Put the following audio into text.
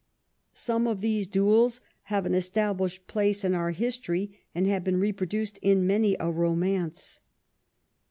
Some of these duels have an established place in our history, and have been reproduced in many a romance.